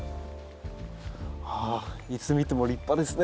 ああいつ見ても立派ですね。